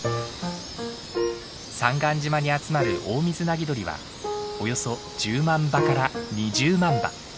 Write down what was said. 三貫島に集まるオオミズナギドリはおよそ１０万羽から２０万羽。